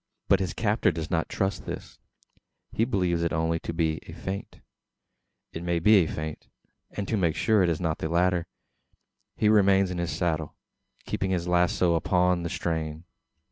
But his captor does not trust to this. He believes it to be only a faint it may be a feint and to make sure it is not the latter, he remains in his saddle, keeping his lazo upon the strain.